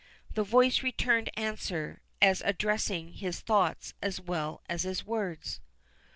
The voice returned answer, as addressing his thoughts as well as his words.